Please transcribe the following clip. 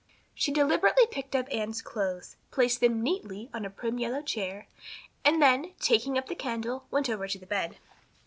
She deliberately picked up Anne's clothes, placed them neatly on a prim yellow chair, and then, taking up the candle, went over to the bed.